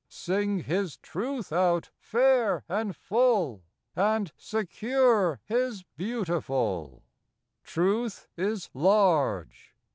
Sing His Truth out fair and full, And secure His beautiful. Truth is large.